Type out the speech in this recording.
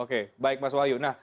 oke baik mas wahyu